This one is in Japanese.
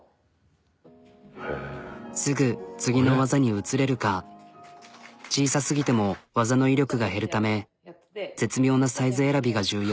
すぐ次の技に移れるか小さすぎても技の威力が減るため絶妙なサイズ選びが重要。